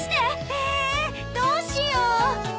えっどうしよう！